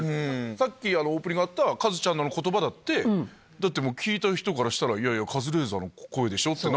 さっきオープニングでやった、カズちゃんのことばだって、だって、聞いた人からしたら、いやいや、カズレーザーの声でし